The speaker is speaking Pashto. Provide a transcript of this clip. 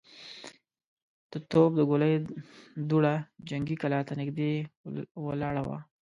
د توپ د ګولۍ دوړه جنګي کلا ته نږدې ولاړه وه.